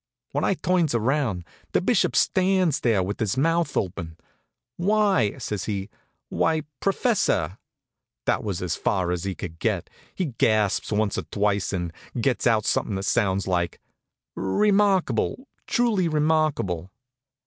When I turns around, the Bishop stands there with his mouth open. "Why," says he "why, professor!" That was as far as he could get. He gasps once or twice and gets out something that sounds like "Remarkable, truly remarkable!"